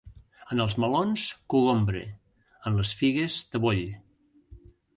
En els melons, cogombre; en les figues, taboll.